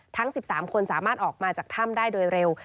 ทั้ง๑๓คนสามารถออกมาจากถ้ำได้โดยเร็ว